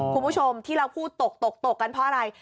คุณผู้ชมที่เราพูดตกตกกันเพราะอะไร